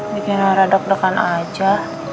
bikin hara deg degan aja